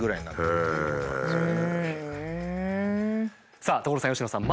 さあ所さん佳乃さん。